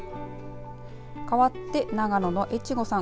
かわって長野の越後さん。